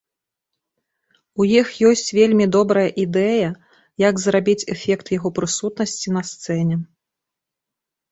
У іх ёсць вельмі добрая ідэя, як зрабіць эфект яго прысутнасці на сцэне.